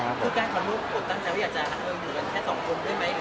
แล้วถ่ายละครมันก็๘๙เดือนอะไรอย่างนี้